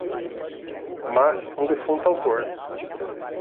mas um defunto autor